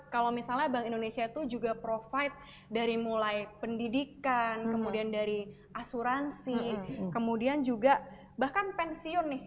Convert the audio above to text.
kalau misalnya bank indonesia itu juga provide dari mulai pendidikan kemudian dari asuransi kemudian juga bahkan pensiun nih